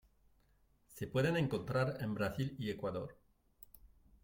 Se pueden encontrar en Brasil y Ecuador.